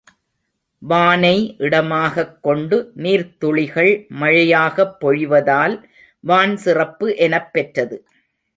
வானை இடமாகக் கொண்டு நீர்த்துளிகள் மழையாகப் பொழிவதால் வான் சிறப்பு எனப்பெற்றது.